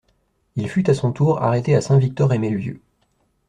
Il fut à son tour arrêté à Saint Victor et Melvieu.